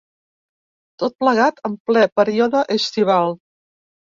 Tot plegat en ple període estival.